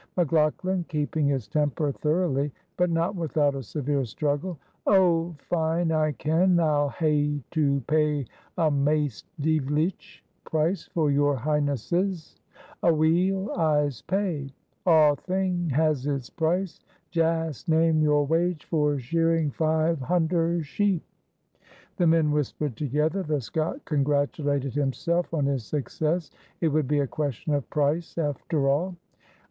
McLaughlan (keeping his temper thoroughly, but not without a severe struggle). "Oh, fine I ken I'll ha'e to pay a maist deevelich price for your highnesses aweel, I'se pay aw thing has its price; jaast name your wage for shearing five hunder sheep." The men whispered together. The Scot congratulated himself on his success; it would be a question of price, after all.